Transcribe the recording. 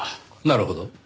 なるほど。